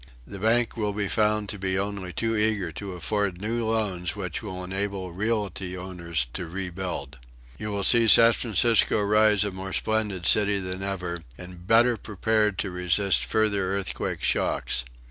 The banks will be found to be only too eager to afford new loans which will enable realty owners to rebuild. You will see San Francisco rise a more splendid city than ever, and better prepared to resist future earthquake shocks.